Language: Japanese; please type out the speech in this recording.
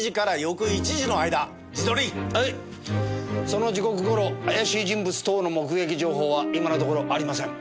その時刻頃怪しい人物等の目撃情報は今のところありません。